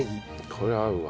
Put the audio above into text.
これ合うわ。